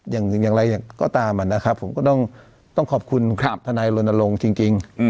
อย่างไรก็ตามผมก็ต้องขอบคุณทนายลนลงจริง